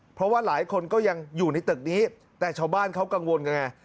เพราะว่าหลายคนก็ยังอยู่ในตึกนี้แต่ชาวบ้านเขากังวลกันไง